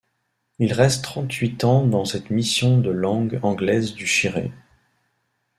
Il reste trente-huit ans dans cette mission de langue anglaise du Shiré.